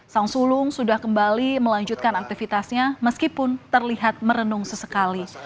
sang sulung sudah kembali melanjutkan aktivitasnya meskipun terlihat merenung sesekali